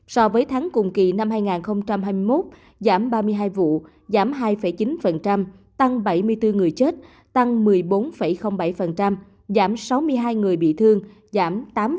so với tháng cùng kỳ năm hai nghìn hai mươi một giảm ba mươi hai vụ giảm hai chín tăng bảy mươi bốn người chết tăng một mươi bốn bảy giảm sáu mươi hai người bị thương giảm tám